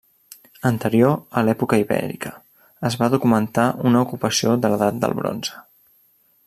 Anterior a l'època ibèrica, es va documentar una ocupació de l'edat del bronze.